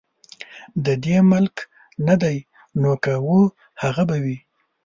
د دې ملک نه دي نو که وه هغه به وي.